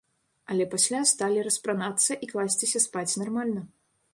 Але пасля сталі распранацца і класціся спаць нармальна.